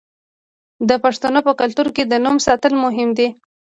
د پښتنو په کلتور کې د نوم ساتل مهم دي.